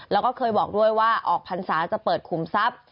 แล้วก็เคยบอกด้วยว่าออกพรรษาจะเปิดขุมทรัพย์